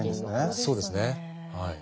そうですねはい。